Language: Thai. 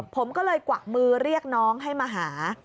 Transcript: ผมก็เลยกวักมือเรียกน้องให้มาหา